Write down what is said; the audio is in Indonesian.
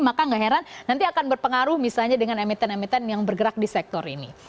maka gak heran nanti akan berpengaruh misalnya dengan emiten emiten yang bergerak di sektor ini